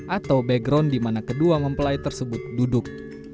atau background di mana kedua mempelai tersebut duduk